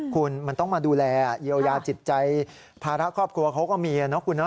คุณมันต้องมาดูแลเยียวยาจิตใจภาระครอบครัวเขาก็มีนะคุณนะ